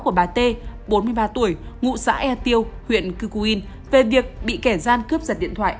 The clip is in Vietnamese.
của bà t bốn mươi ba tuổi ngụ xã e tiêu huyện cư cu yên về việc bị kẻ gian cướp giật điện thoại